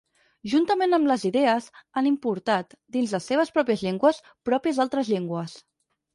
Juntament amb les idees, han importat, dins les seves pròpies llengües, pròpies d'altres llengües.